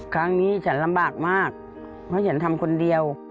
ครั้งนี้ฉันลำบากมากเพราะฉันทำคนเดียว